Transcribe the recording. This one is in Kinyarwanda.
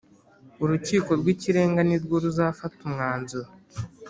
Urukiko rw’ikirenga nirwo ruzafata umwanzuro